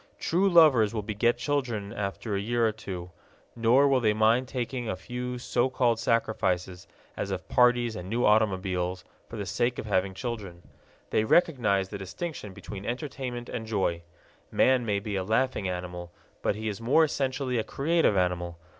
True lovers will beget children after a year or two, nor will they mind making a few so called sacrifices, as of parties and new automobiles, for the sake of having children. They recognize the distinction between entertainment and joy. Man may be a laughing animal, but he is more essentially a creative animal.